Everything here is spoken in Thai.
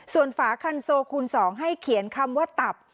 ส่วนฝาคันโซคูณ๒ให้เขียนคำว่าตับ